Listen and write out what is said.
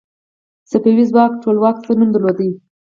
صفوي ځواکمن ټولواک څه نوم درلود؟